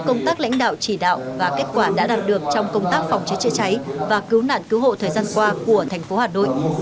công tác lãnh đạo chỉ đạo và kết quả đã đạt được trong công tác phòng cháy chữa cháy và cứu nạn cứu hộ thời gian qua của thành phố hà nội